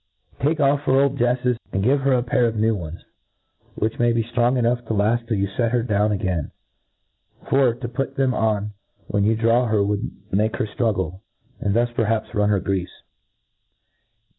Take off her old jcffes, and give her a pair of new ones, which may be ftrong enough to laft till you fet her down a gain ; for to put them on when you draw her would make her ftruggle, and thus perhaps run her grcafe.